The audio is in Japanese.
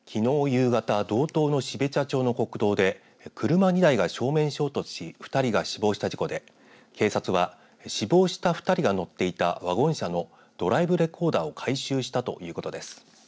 夕方道東の標茶町の国道で車２台が正面衝突し２人が死亡した事故で警察は死亡した２人が乗っていたワゴン車のドライブレコーダーを回収したということです。